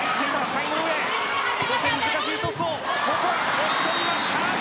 押し込みました！